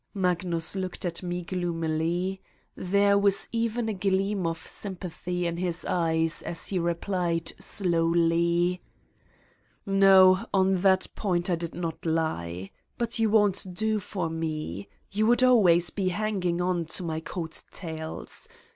Magnus looked at me gloomily There was even a gleam of sympathy in his eyes as he repk'ed slowly: '' No, on that point I did not lie. But you won 't do for me. You would always be hanging on to my coat tails.